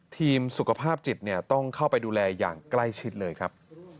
ทีมสุขภาพจิตต้องเข้าไปดูแลอย่างใกล้ชิดเลยครับ